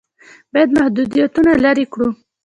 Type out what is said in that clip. باید محدودیتونه لرې کړو.